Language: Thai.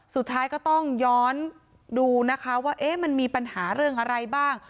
สุดท้ายก็ต้องย้อนดูนะคะว่ามันมีปัญหาเรื่องอะไรบ้าง